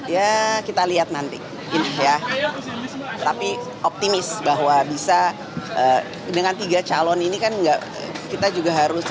ya kita lihat nanti ini ya tapi optimis bahwa bisa dengan tiga calon ini kan enggak kita juga harus